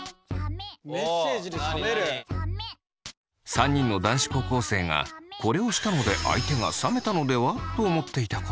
３人の男子高校生がこれをしたので相手が冷めたのでは？と思っていたことです。